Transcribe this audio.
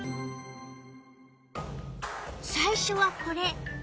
最初はこれ。